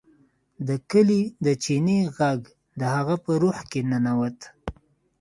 د کلي د چینې غږ د هغه په روح کې ننوت